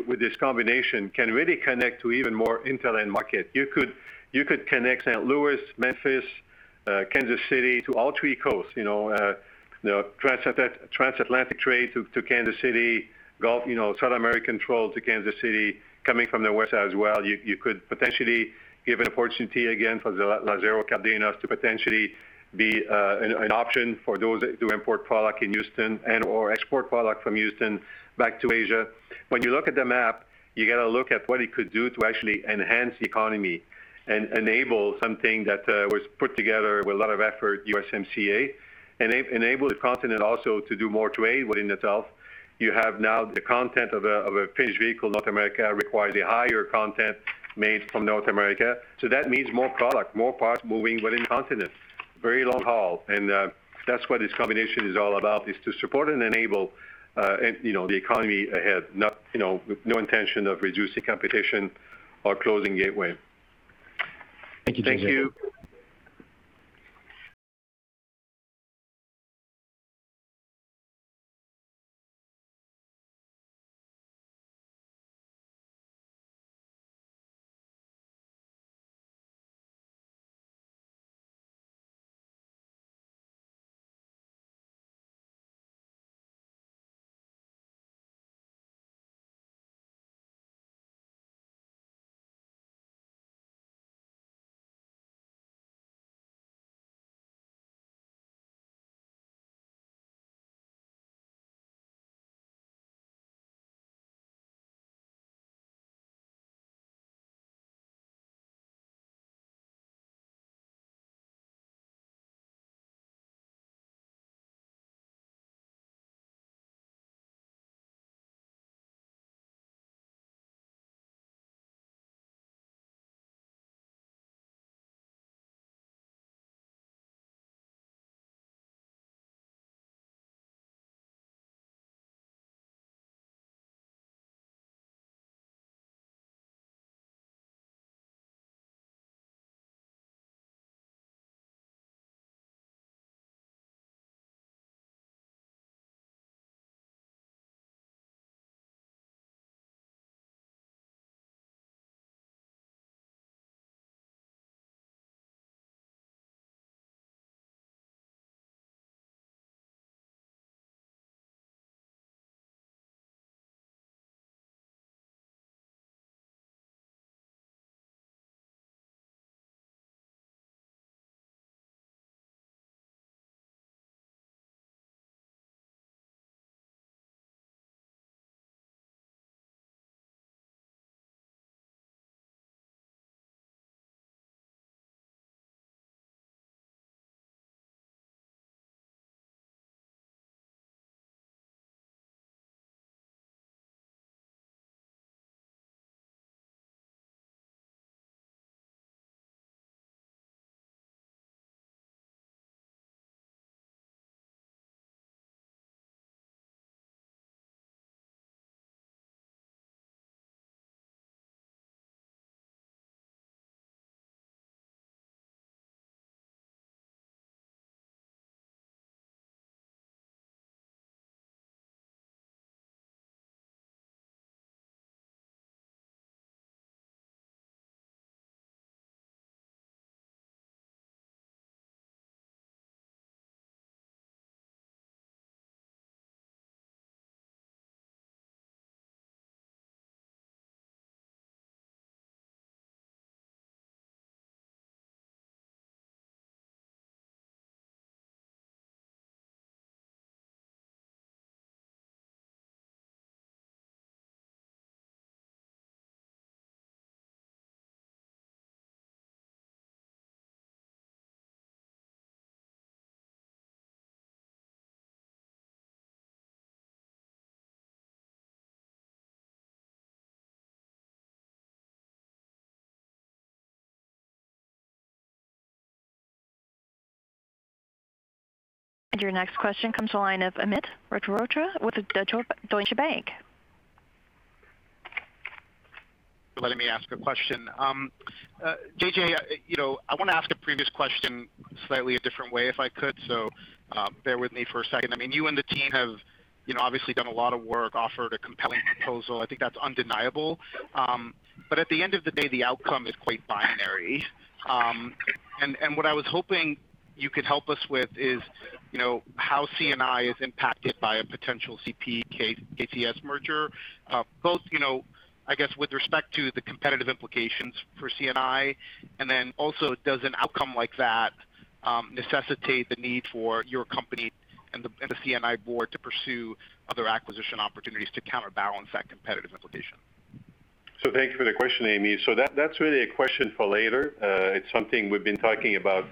with this combination can really connect to even more inland market. You could connect St. Louis, Memphis, Kansas City to all three coasts. Transatlantic trade to Kansas City, South American trade to Kansas City, coming from the west as well. You could potentially give an opportunity again for Lázaro Cárdenas to potentially be an option for those who import product in Houston and/or export product from Houston back to Asia. When you look at the map, you got to look at what it could do to actually enhance the economy and enable something that was put together with a lot of effort, USMCA, and enable the continent also to do more trade within itself. You have now the content of a finished vehicle North America require the higher content made from North America. That means more product, more parts moving within continent, very long haul. That's what this combination is all about, is to support and enable the economy ahead, no intention of reducing competition or closing gateway. Thank you, Jennifer. Thank you. Your next question comes to the line of Amit Mehrotra with Deutsche Bank. Thanks for letting me ask a question. JJ, I want to ask a previous question slightly a different way if I could, bear with me for a second. You and the team have obviously done a lot of work, offered a compelling proposal. I think that's undeniable. At the end of the day, the outcome is quite binary. What I was hoping you could help us with is how CNI is impacted by a potential CP-KCS merger, both I guess with respect to the competitive implications for CNI, and then also does an outcome like that necessitate the need for your company and the CNI board to pursue other acquisition opportunities to counterbalance that competitive implication? Thank you for the question, Amit Mehrotra. That's really a question for later. It's something we've been talking about,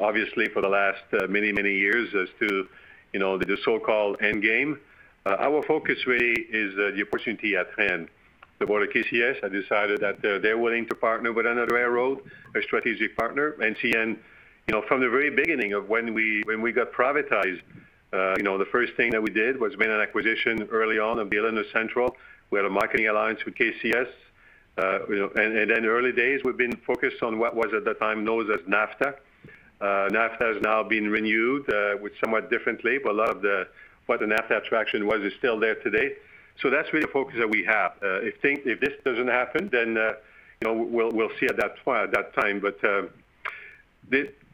obviously, for the last many years as to the so-called endgame. Our focus really is the opportunity at hand. The board of KCS has decided that they're willing to partner with another railroad, a strategic partner. CN, from the very beginning of when we got privatized, the first thing that we did was made an acquisition early on of the Illinois Central. We had a marketing alliance with KCS. In the early days, we've been focused on what was at the time known as NAFTA. NAFTA has now been renewed with somewhat different label. A lot of what the NAFTA attraction was is still there today. That's really the focus that we have. If this doesn't happen, then we'll see at that time.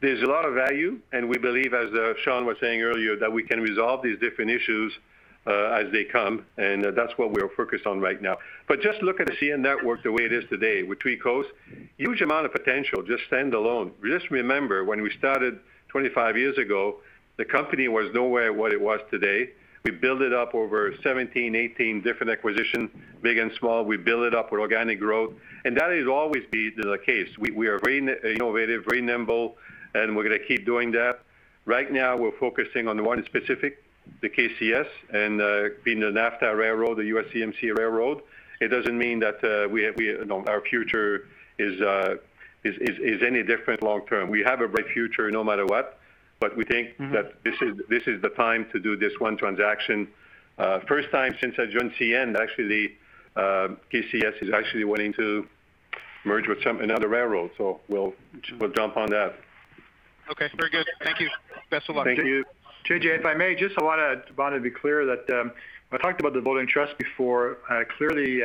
There's a lot of value, and we believe, as Sean was saying earlier, that we can resolve these different issues as they come, and that's what we are focused on right now. Just look at the CN network the way it is today with three coasts. Huge amount of potential just standalone. Just remember, when we started 25 years ago, the company was nowhere what it was today. We built it up over 17, 18 different acquisitions, big and small. We built it up with organic growth, and that will always be the case. We are very innovative, very nimble, and we're going to keep doing that. Right now, we're focusing on the one specific, the KCS and being the NAFTA railroad, the USMCA railroad. It doesn't mean that our future is any different long-term. We have a bright future no matter what, but we think that this is the time to do this one transaction. First time since I joined CN, actually KCS is actually wanting to merge with another railroad, so we'll jump on that. Okay, very good. Thank you. Best of luck. Thank you. J.J., if I may, just I want to be clear that when I talked about the voting trust before, clearly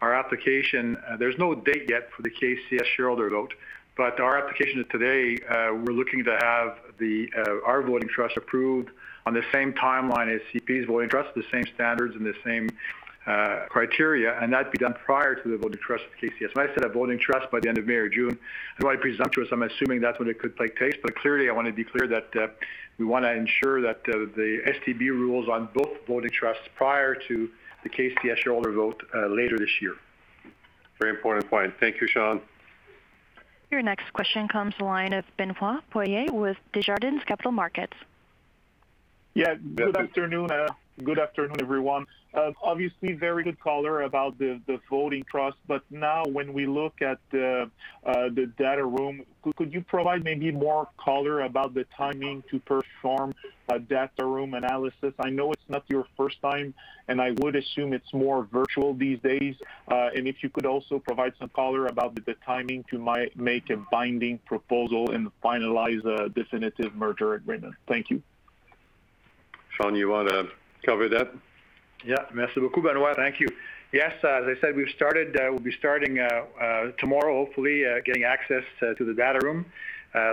our application, there's no date yet for the KCS shareholder vote. Our application is today we're looking to have our voting trust approved on the same timeline as CP's voting trust, the same standards, and the same criteria. That'd be done prior to the voting trust with KCS. When I said a voting trust by the end of May or June, I'm probably presumptuous, I'm assuming that's when it could take place. Clearly, I want to be clear that we want to ensure that the STB rules on both voting trusts prior to the KCS shareholder vote later this year. Very important point. Thank you, Sean. Your next question comes the line of Benoit Poirier with Desjardins Capital Markets. Yeah. Good afternoon, Benoit. Good afternoon, everyone. Obviously, very good color about the voting trust. Now when we look at the data room, could you provide maybe more color about the timing to perform a data room analysis? I know it's not your first time, and I would assume it's more virtual these days. If you could also provide some color about the timing to make a binding proposal and finalize a definitive merger agreement. Thank you. Sean, you want to cover that? Yeah. Merci beaucoup, Benoit Poirier. Thank you. Yes, as I said, we'll be starting tomorrow, hopefully, getting access to the data room,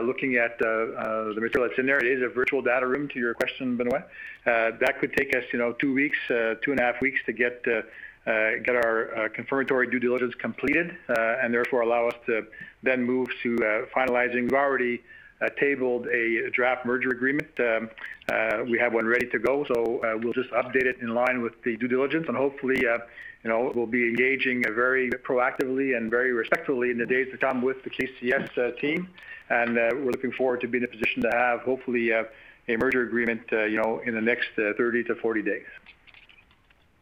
looking at the material that's in there. It is a virtual data room to your question, Benoit Poirier. That could take us two weeks, 2.5 weeks to get our confirmatory due diligence completed, and therefore allow us to then move to finalizing. We've already tabled a draft merger agreement. We have one ready to go, so we'll just update it in line with the due diligence, and hopefully we'll be engaging very proactively and very respectfully in the days to come with the KCS team. We're looking forward to be in a position to have hopefully a merger agreement in the next 30-40 days.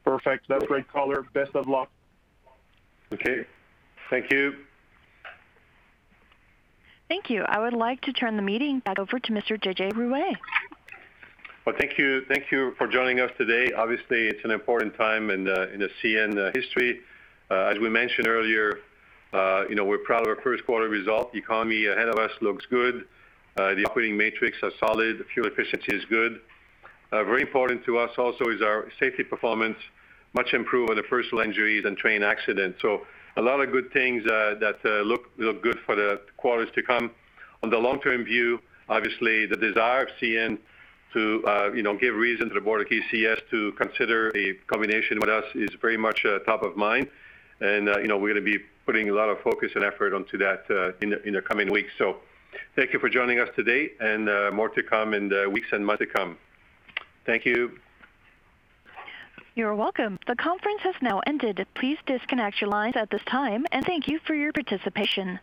Perfect. That's great color. Best of luck. Okay. Thank you. Thank you. I would like to turn the meeting back over to Mr. Jean-Jacques Ruest. Well, thank you for joining us today. It's an important time in the CN history. As we mentioned earlier we're proud of our Q1 result. The economy ahead of us looks good. The operating metrics are solid. Fuel efficiency is good. Very important to us also is our safety performance, much improved on the personal injuries and train accidents. A lot of good things that look good for the quarters to come. On the long-term view, the desire of CN to give reason to the board of KCS to consider a combination with us is very much top of mind. We're going to be putting a lot of focus and effort onto that in the coming weeks. Thank you for joining us today, and more to come in the weeks and months to come. Thank you. You're welcome. The conference has now ended. Please disconnect your lines at this time, and thank you for your participation.